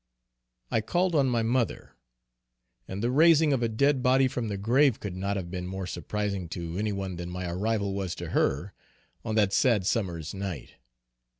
I called on my mother, and the raising of a dead body from the grave could not have been more surprising to any one than my arrival was to her, on that sad summer's night.